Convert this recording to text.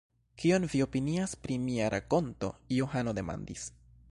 Kion vi opinias pri mia rakonto? Johano demandis.